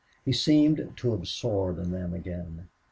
He seemed to absorb in them again.